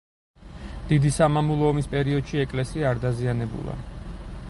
დიდი სამამულო ომის პერიოდში ეკლესია არ დაზიანებულა.